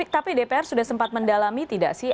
tapi dpr sudah sempat mendalami tidak sih